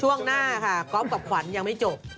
ช่วงหน้าค่ะก๊อฟกับขวัญยังไม่จบ